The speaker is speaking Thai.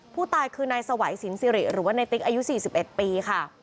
ผู้ตายคือนายสวัยสินสิริหรือว่าในติ๊กอายุ๔๑ปีค่ะ